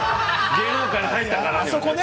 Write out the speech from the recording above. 芸能界に入ったからには。